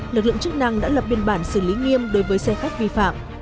lực lượng chức năng đã lập biên bản xử lý nghiêm đối với xe khách vi phạm